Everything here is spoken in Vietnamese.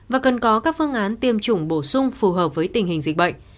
và cần có các phương án tiêm chủng bổ sung phù hợp với tình hình dịch bệnh